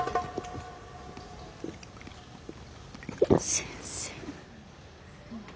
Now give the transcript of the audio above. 先生。